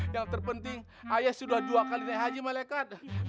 yang terpenting ayah sudah dua kali naik haji malaikat